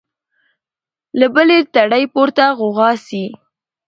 له بلي تړي پورته غوغا سي